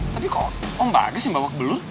tapi kok om bagas yang bawa belut